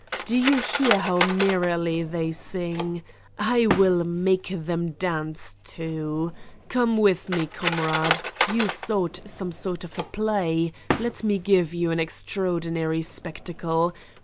Do you hear how merrily they sing? I will make them dance, too ! Come with me, comrade ! You sought some sort of a play let me give you an extraordinary spectacle!